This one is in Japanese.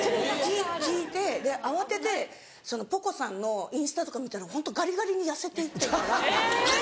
聞いて慌てて歩子さんのインスタとか見たらホントガリガリに痩せていってるからあっ